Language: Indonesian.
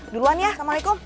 duluan ya assalamualaikum